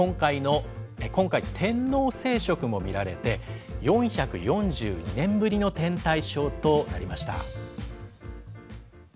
今回、天王星食も見られて、４４２年ぶりの天体ショーとなりました。